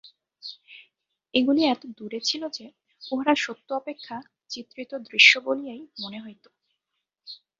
এগুলি এত দূরে ছিল যে, উহারা সত্য অপেক্ষা চিত্রিত দৃশ্য বলিয়াই মনে হইত।